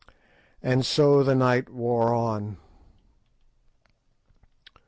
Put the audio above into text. And so the night wore on.